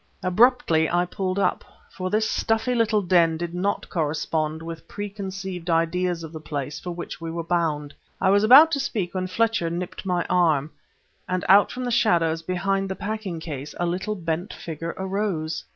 Abruptly, I pulled up; for this stuffy little den did not correspond with pre conceived ideas of the place for which we were bound. I was about to speak when Fletcher nipped my arm and out from the shadows behind the packing case a little bent figure arose!